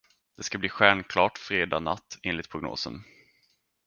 Det ska bli stjärnklart fredag natt, enligt prognosen.